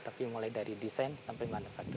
tapi mulai dari desain sampai manufaktur